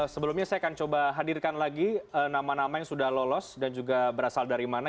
sebelumnya saya akan coba hadirkan lagi nama nama yang sudah lolos dan juga berasal dari mana